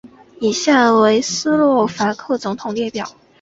以下为斯洛伐克总统列表。